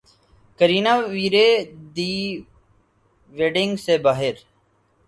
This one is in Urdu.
کرینہ ویرے دی ویڈنگ سے باہر